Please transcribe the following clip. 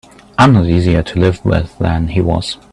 I'm not easier to live with than he was.